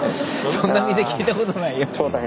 そんな店聞いたことないよ。